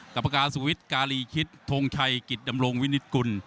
กับประการสุวิทย์การีคิดทงชัยกิจดำรงวินิตกุล